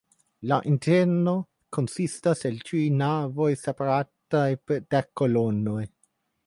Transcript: La interno konsistas el tri navoj separataj per dek kolonoj.